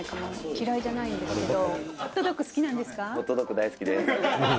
「嫌いじゃないんですけど」